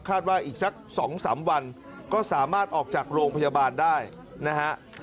ว่าอีกสัก๒๓วันก็สามารถออกจากโรงพยาบาลได้นะฮะ